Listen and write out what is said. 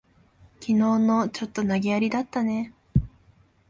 きのうの、ちょっと投げやりだったね。